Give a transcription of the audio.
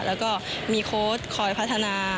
แล้วก็มีโค้ดคอยพัฒนา